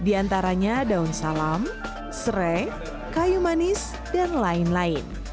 di antaranya daun salam serai kayu manis dan lain lain